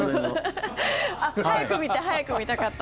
あ、早く見て早く見たかった。